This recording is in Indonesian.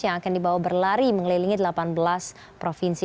yang akan dibawa berlari mengelilingi delapan belas provinsi